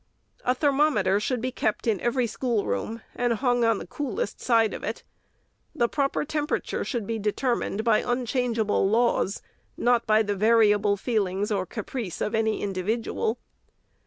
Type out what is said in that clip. A thermometer should be kept in every schoolroom, and hung on the coolest side of it. The proper tempera ture should be determined by unchangeable laws ; not by the variable feelings or caprice of any individual.